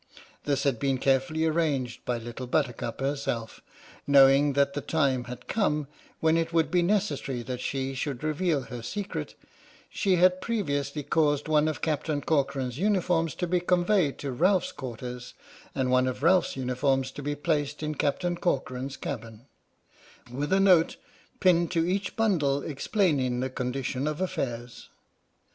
This had been carefully arranged by Little Buttercup herself. Knowing that the time had come when it would be necessary that she should reveal her secret, she had previously caused one of Captain Corcoran's uniforms to be conveyed to Ralph's quarters, and one of Ralph's uniforms to be placed in Captain Corcoran's cabin, with a note, pinned to each bundle, explaining the condition of affairs.